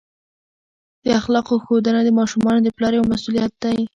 د اخلاقو ښودنه د ماشومانو د پلار یوه مسؤلیت دی.